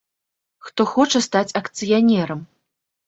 Хто хоча стаць акцыянерам?